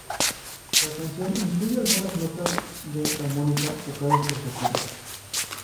La canción incluye algunas notas de armónica tocadas por Shakira.